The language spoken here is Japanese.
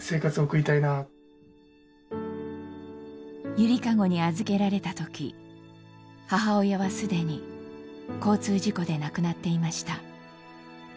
ゆりかごに預けられた時母親はすでに交通事故で亡くなっていました。